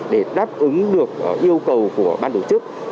để đáp ứng được yêu cầu của ban tổ chức